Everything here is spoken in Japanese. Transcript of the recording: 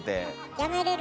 やめれる？